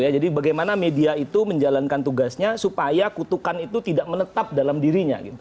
jadi bagaimana media itu menjalankan tugasnya supaya kutukan itu tidak menetap dalam dirinya